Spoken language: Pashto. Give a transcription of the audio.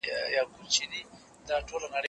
زه د زده کړو تمرين کړی دی؟!